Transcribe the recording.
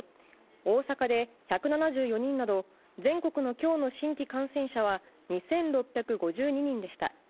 大阪で１７４人など全国の今日の新規感染者は２６５２人でした。